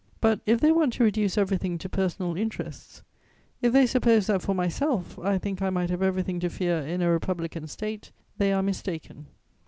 "But, if they want to reduce everything to personal interests, if they suppose that, for myself, I think I might have everything to fear in a Republican State, they are mistaken.